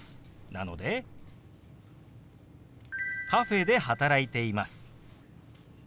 なので「カフェで働いています」。